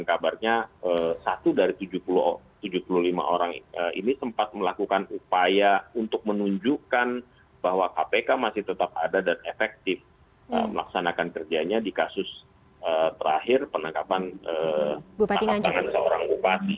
kabarnya satu dari tujuh puluh lima orang ini sempat melakukan upaya untuk menunjukkan bahwa kpk masih tetap ada dan efektif melaksanakan kerjanya di kasus terakhir penangkapan tangkap tangan seorang bupati